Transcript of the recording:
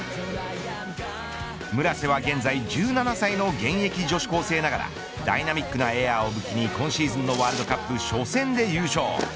村瀬は現在１７歳の現役女子高生ながらダイナミックなエアーを武器に今シーズンのワールドカップ初戦で優勝。